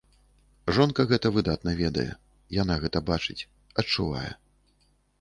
Жонка гэта выдатна ведае, яна гэта бачыць, адчувае.